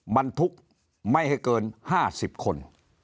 บรรทุกไม่ให้เกิน๕๐คน